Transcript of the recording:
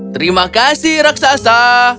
terima kasih raksasa